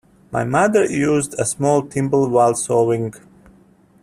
My mother used a small thimble while sewing.